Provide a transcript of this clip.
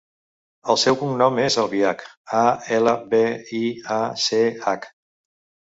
El seu cognom és Albiach: a, ela, be, i, a, ce, hac.